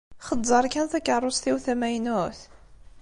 Xezzeṛ kan takeṛṛust-iw tamaynut.